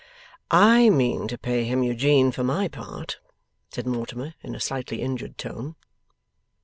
'I mean to pay him, Eugene, for my part,' said Mortimer, in a slightly injured tone.